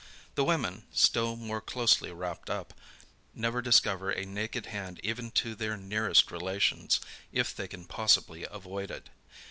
The women, still more closely wrapt up, never discover a naked hand even to their nearest relations, if they can possibly avoid it.